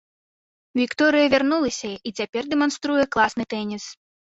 Вікторыя вярнулася, і цяпер дэманструе класны тэніс.